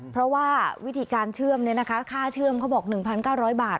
เพราะว่าวิธีการเชื่อมค่าเชื่อมเขาบอก๑๙๐๐บาท